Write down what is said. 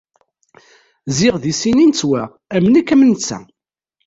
Ziɣ di sin i nettwaɣ, am nekk am netta.